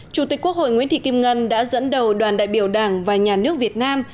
chủ tịch quốc hội nguyễn thị kim ngân đã dẫn đầu đoàn đại biểu đảng và nhà nước việt nam